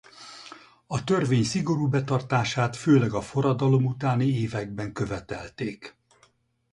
A törvény szigorú betartását főleg a forradalom utáni években követelték.